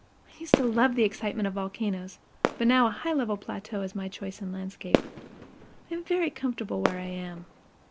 I used to love the excitement of volcanoes, but now a high level plateau is my choice in landscape. I am very comfortable where I am.